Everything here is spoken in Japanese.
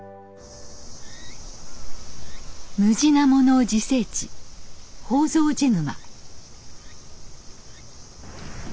ムジナモの自生地宝蔵寺沼。